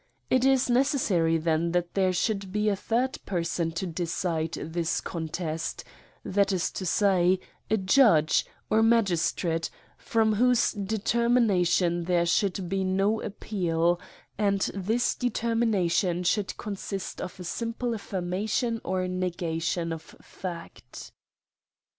li is necessa ry then that there should be a third person to de cide this contest ; that is to say, a judge, or ma gistrate, from whose determination there should be no appeal ; and this determination should con sist of a simple affirmation or negation of fact.